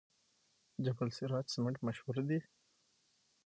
جبل السراج سمنټ مشهور دي؟